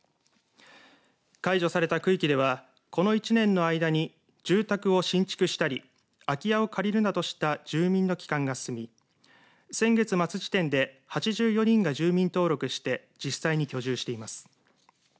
解除された区域ではこの１年の間に住宅を新築したり空き家を借りるなどした住民の帰還が進み先月末時点で８４人が住民登録して実際に居住しています。